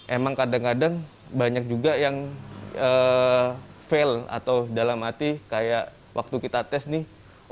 emang kadang kadang banyak juga yang fail atau dalam arti kayak waktu kita tes nih